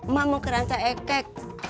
ma mau keranca ekek